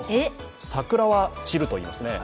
桜は散るといいますね。